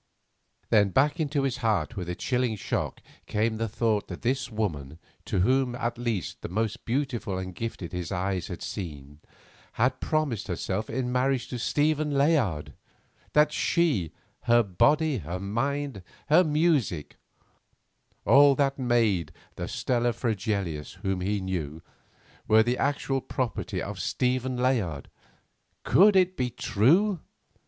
Then back into his heart with a chilling shock came the thought that this woman, to him at least the most beautiful and gifted his eyes had seen, had promised herself in marriage to Stephen Layard; that she, her body, her mind, her music—all that made her the Stella Fregelius whom he knew—were the actual property of Stephen Layard. Could it be true?